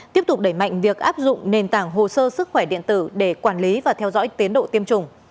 tiếp tục đẩy mạnh việc áp dụng nền tảng hồ sơ sức khỏe điện tử để quản lý và theo dõi tiến độ tiêm chủng